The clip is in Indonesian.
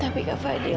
tapi kak fadil